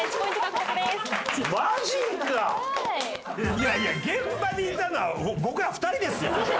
いやいや現場にいたのは僕ら２人ですよ？